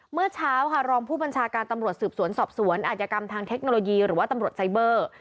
เมื่อเช้าค่ะรองผู้บัญชาการตำรวจสืบสวนสอบสวนอาจยกรรมทางเทคโนโลยีหรือว่าตำรวจไซเบอร์